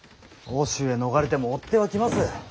奥州へ逃れても追っ手は来ます。